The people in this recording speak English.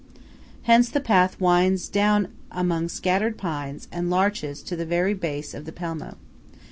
Hence the path winds down among scattered pines and larches to the very base of the Pelmo.